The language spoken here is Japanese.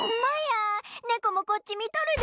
ネコもこっちみとるで！